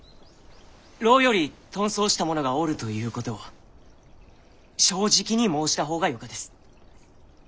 牢より遁走した者がおるということを正直に申した方がよかです。